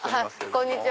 こんにちは！